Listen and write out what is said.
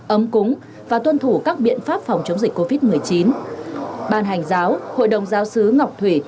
ấm cúng và tuân thủ các biện pháp phòng chống dịch covid một mươi chín ban hành giáo hội đồng giáo sứ ngọc thủy